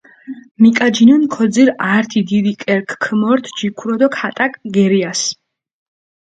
მიკაჯინჷნი, ქოძირჷ ართი დიდი კერქჷ ქომორთჷ ჯიქურო დო ქატაკჷ გერიასჷ.